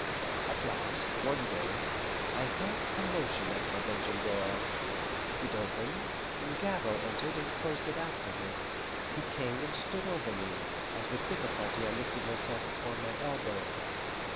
At last, one day, I heard commotion at my dungeon door; it opened, and Gabord entered and closed it after him. He came and stood over me, as with difficulty I lifted myself upon my elbow.